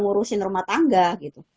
ngurusin rumah tangga gitu